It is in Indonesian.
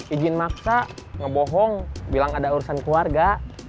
izin maksa ngebohong bilang ada urusan keluarga